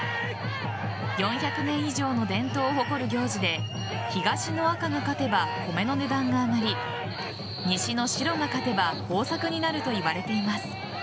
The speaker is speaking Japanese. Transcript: ４００年以上の伝統を誇る行事で東の赤が勝てば米の値段が上がり西の白が勝てば豊作になるといわれています。